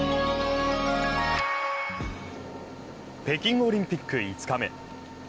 北京オリンピック５日目。